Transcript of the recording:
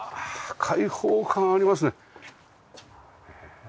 開放感ありますね。